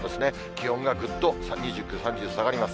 気温がぐっと２９、３０、下がります。